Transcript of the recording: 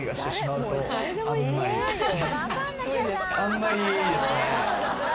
あんまりですね。